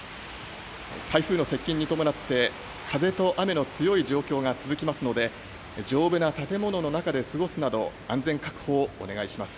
台風の接近に伴って風と雨の強い状況が続きますので丈夫な建物の中で過ごすなど安全確保をお願いします。